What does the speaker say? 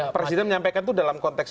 presiden menyampaikan itu dalam konteks